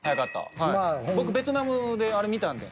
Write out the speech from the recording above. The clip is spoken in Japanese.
僕ベトナムであれ見たんで。